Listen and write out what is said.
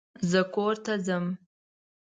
زه کورته ځم